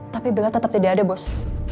tapi bila tetap tidak ada bos